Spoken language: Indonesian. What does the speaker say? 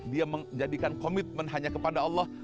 dia menjadikan komitmen hanya kepada allah